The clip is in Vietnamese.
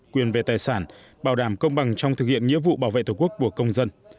quyền về tài sản bảo đảm công bằng trong thực hiện nghĩa vụ bảo vệ tổ quốc của công dân